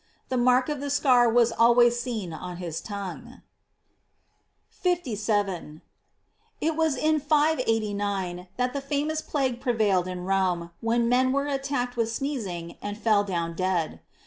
The mark of the scar was always seen on his tongue.* 57. — It was in 589 that the famous plague pre vailed in Rome, when men were attacked with 8neezing, andfell down dead.